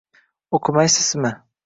— O‘qimaysizmi?..